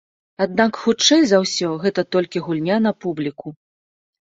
Аднак, хутчэй за ўсё, гэта толькі гульня на публіку.